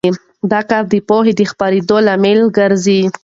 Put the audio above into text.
دا کار د پوهې د خپرېدو لامل ګرځي.